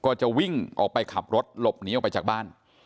ก็จะวิ่งออกไปขับรถหลบหนีออกไปจากบ้าน